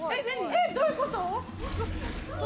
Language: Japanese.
えっどういうこと？